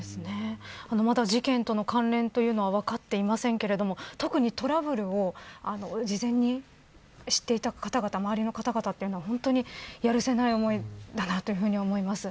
まだ事件との関連というのは分かっていませんけれども特に、トラブルを事前に知っていた方々周りの方々というのはやるせない思いだと思います。